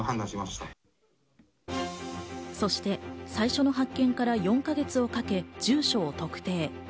そして最初の発見から４か月をかけ、住所を特定。